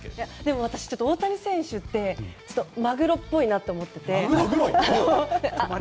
私は大谷選手ってマグロっぽいと思っていて。